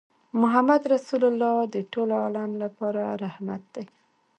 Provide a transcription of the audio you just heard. محمدُ رَّسول الله د ټول عالم لپاره رحمت دی